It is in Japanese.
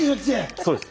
そうです。